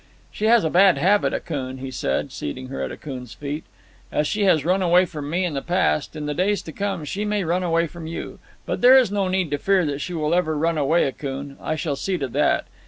"She has a bad habit, Akoon," he said, seating her at Akoon's feet. "As she has run away from me in the past, in the days to come she may run away from you. But there is no need to fear that she will ever run away, Akoon. I shall see to that.